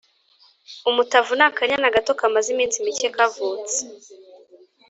Umutavu n’akanyana gato kamaze iminsi mike kavutse